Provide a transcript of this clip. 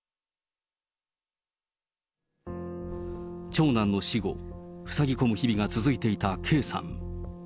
長男の死後、ふさぎ込む日々が続いていたＫさん。